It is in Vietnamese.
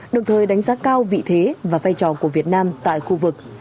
đồng thời đánh giá cao vị thế và vai trò của việt nam tại khu vực